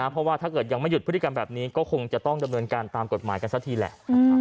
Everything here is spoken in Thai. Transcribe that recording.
เพราะว่าถ้าเกิดยังไม่หยุดพฤติกรรมแบบนี้ก็คงจะต้องดำเนินการตามกฎหมายกันสักทีแหละ